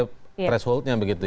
thresholdnya begitu ya